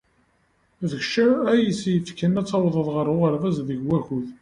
D kecc ay yessefken ad d-tawḍed ɣer uɣerbaz deg wakud.